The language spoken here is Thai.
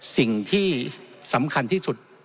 สิ่งที่สำคัญที่สุด